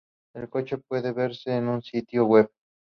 El coche puede verse en su sitio web.